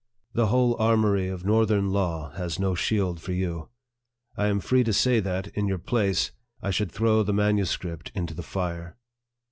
The whole armory of North ern Law has no shield for you. I am free to say that, in your place, I should throw the MS. into the fire.